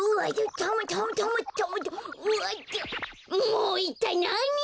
もういったいなに！？